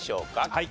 はい。